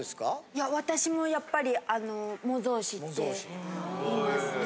いや私もやっぱり。って言いますね。